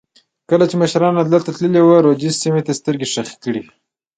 کله چې مشران لندن ته تللي وو رودز سیمې ته سترګې خښې کړې وې.